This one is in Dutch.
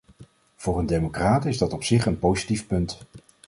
Voor een democraat is dat op zich een positief punt.